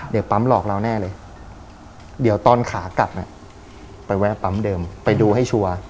ปั๊มหลอกเราแน่เลยเดี๋ยวตอนขากลับไปแวะปั๊มเดิมไปดูให้ชัวร์